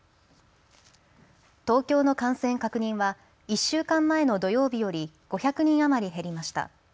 東京の感染確認は１週間前の土曜日より５００人余り減りました。